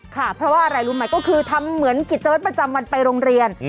ค่ะเพราะว่าอะไรรู้ไหมก็คือทำเหมือนกิจวัตรประจำวันไปโรงเรียน